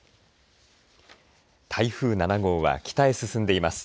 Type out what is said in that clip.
台風７号は北へ進んでいます。